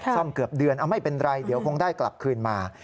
ซ่อมเกือบเดือนไม่เป็นไรเดี๋ยวคงได้กลับคืนมา